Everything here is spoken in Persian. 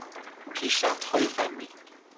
پیشرفتهای فنی